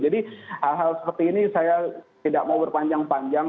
jadi hal hal seperti ini saya tidak mau berpanjang panjang